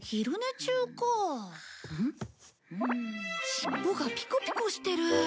尻尾がピコピコしてる。